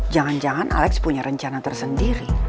jangan jangan alex punya rencana tersendiri